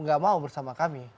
nggak mau bersama kami